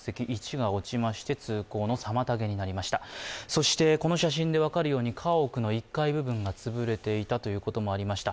そしてこの写真で分かるように家屋の１階部分が潰れていたということもありました。